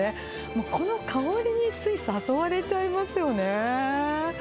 もう、この香りについ誘われちゃいますよね。